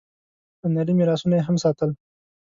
هنري میراثونه یې هم ساتل.